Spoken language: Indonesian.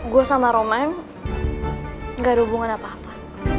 gue sama roman ga ada hubungan apa apa